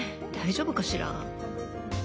大丈夫かしら？